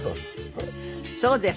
そうです。